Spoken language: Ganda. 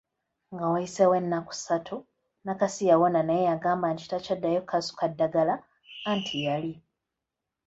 Nga wayiseewo ennaku ssatu, Nakasi yawona naye yagamba nti takyaddayo kukasuka ddagala anti yali